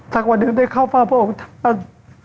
ถ้าวันหนึ่งได้เข้าเฝ้าพระองค์ท่าน